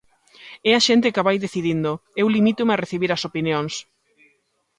É a xente a que vai decidindo, eu limítome a recibir as opinións.